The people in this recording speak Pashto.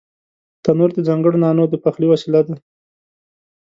تنور د ځانگړو نانو د پخلي وسیله ده